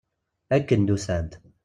Akken d-usant.